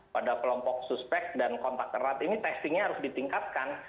pada kelompok suspek dan kontak erat ini testingnya harus ditingkatkan